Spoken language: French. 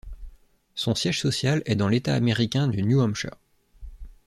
Son siège social est dans l'État américain du New Hampshire.